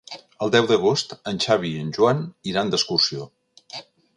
El deu d'agost en Xavi i en Joan iran d'excursió.